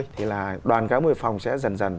thì là đoàn ca múa hải phòng sẽ dần dần